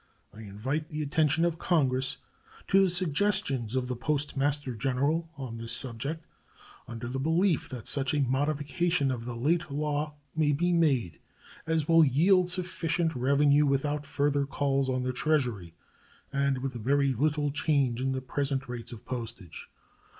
I invite the attention of Congress to the suggestions of the Postmaster General on this subject, under the belief that such a modification of the late law may be made as will yield sufficient revenue without further calls on the Treasury, and with very little change in the present rates of postage.